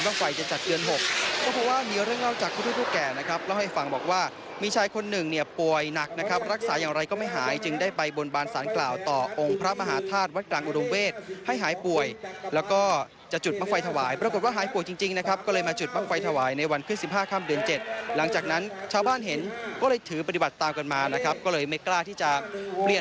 ความรู้สึกกว่าความรู้สึกกว่าความรู้สึกกว่าความรู้สึกกว่าความรู้สึกกว่าความรู้สึกกว่าความรู้สึกกว่าความรู้สึกกว่าความรู้สึกกว่าความรู้สึกกว่าความรู้สึกกว่าความรู้สึกกว่าความรู้สึกกว่าความรู้สึกกว่าความรู้สึกกว่าความรู้สึกกว่าความรู้สึกกว่าความรู้สึกกว่าความรู้